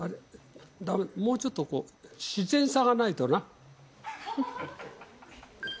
もうちょっとこう、自然さがないとな。